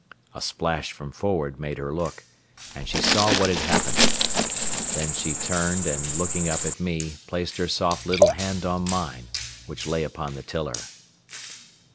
A splash from forward made her look, and she saw what had happened. Then she turned and, looking up at me, placed her soft little hand on mine which lay upon the tiller.